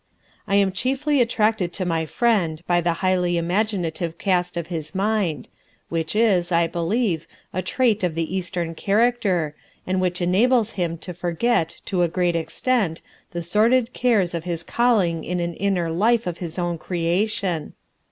I am chiefly attracted to my friend by the highly imaginative cast of his mind, which is, I believe, a trait of the Eastern character and which enables him to forget to a great extent the sordid cares of his calling in an inner life of his own creation.